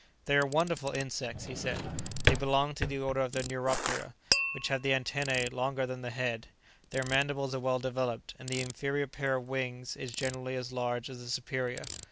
"They are wonderful insects," he said; "they belong to the order of the Neuroptera, which have the antennae longer than the head; their mandibles are well developed, and the inferior pair of wings is generally as large as the superior.